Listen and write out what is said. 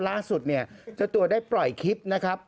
ล่าสุดเนี่ยเจ้าตัวได้ปล่อยคลิปนะครับ